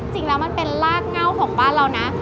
จริงแล้วมันเป็นรากเง่าของบ้านเรานะ